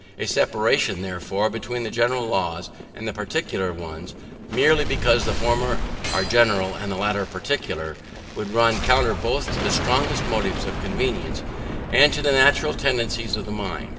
A separation, therefore, between the general laws and the particular ones, merely because the former are general and the latter particular, would run counter both to the strongest motives of convenience and to the natural tendencies of the mind.